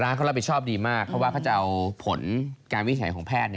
ร้านเค้ารับผิดชอบดีมากเพราะว่าเค้าจะเอาผลการวิถัยของแพทย์เนี่ย